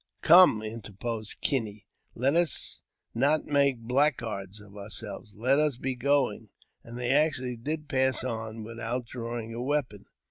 " Come," interposed Kinney, " let us not make blackguards of ourselves ; let us be going." And they actually did pass on without drawing a weapon.